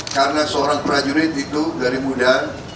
karena seorang prajurit itu dari muda